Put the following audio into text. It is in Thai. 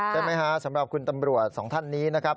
ใช่ไหมฮะสำหรับคุณตำรวจสองท่านนี้นะครับ